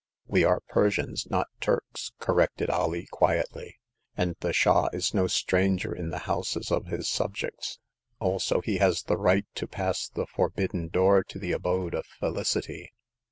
" "We are Persians, not Turks," corrected Alee, quietly, and the Shah is no stranger in the houses of his subjects. Also, he has the right to pass the forbidden door to the Abode of Felicity.''